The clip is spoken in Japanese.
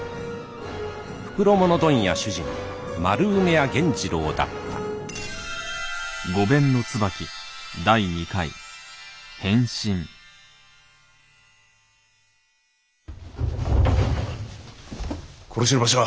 袋物問屋主人丸梅屋源次郎だった殺しの場所は？